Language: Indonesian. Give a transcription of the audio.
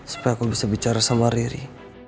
supaya aku bisa bicara sama riri